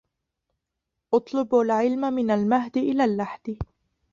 اطلبوا العلم من المهد إلى اللحد